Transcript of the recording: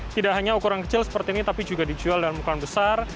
tidak hanya ukuran kecil seperti ini tapi juga dijual dalam ukuran besar